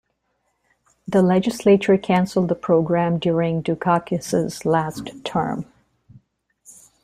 The legislature canceled the program during Dukakis's last term.